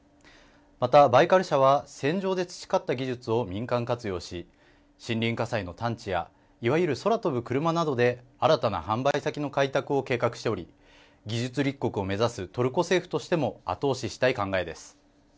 また、バイカル社は戦場で培った技術を民間活用し森林火災の探知やいわゆる空飛ぶ車などで新たな販売先の開拓を計画しており技術立国を目指すトルコ政府としても後押ししたい考えです。